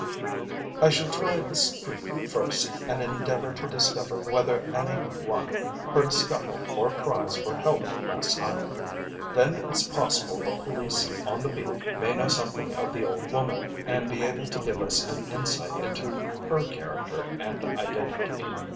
"I shall try the street first, and endeavour to discover whether any one heard a scuffle or cries for help last night. Then it's possible the police on the beat may know something of the old woman, and be able to give us an insight into her character and identity.